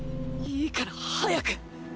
いいから早く！！